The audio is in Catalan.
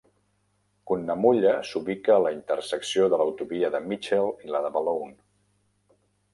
Cunnamulla s'ubica a la intersecció de l'autovia de Mitchell i la de Balonne.